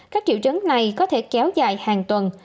các triệu chứng này có thể kéo dài hàng tuần